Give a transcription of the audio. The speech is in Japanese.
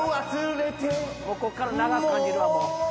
ここから長く感じるわ。